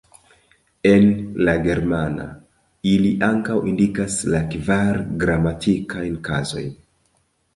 En la germana ili ankaŭ indikas la kvar gramatikajn kazojn.